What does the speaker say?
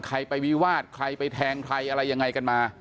ใครไปวิวาสใครไปแทงใครอะไรยังไงกันมา